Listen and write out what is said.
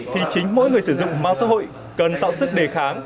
thì chính mỗi người sử dụng mạng xã hội cần tạo sức đề kháng